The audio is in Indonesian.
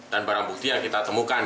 barang bukti yang kita temukan